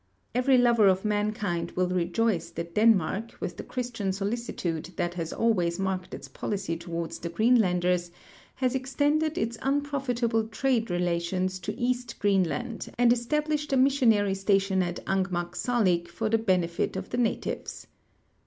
Evert' lover of mankind will rejoice that Denmark, with the Christian solicitude that has always marked its polic}' towards the Greenlanders, has extended its unprofitable trade relations to east Greenland and established a missionary station at Ang inagsalik for the benefit of the natives.